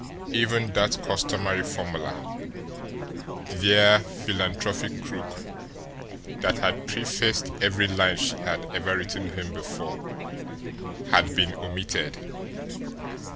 Even that customary formula, "dear philanthropic crook," that had prefaced every line she had ever written him before, had been omitted.